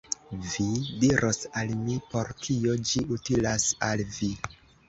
Vi diros al mi, por kio ĝi utilas al vi.